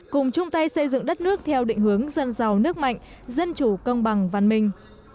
cùng chung tay xây dựng đất nước theo định hướng dân giàu nước mạnh dân chủ công bằng văn minh